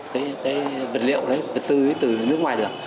cái vật liệu đấy vật tư từ nước ngoài được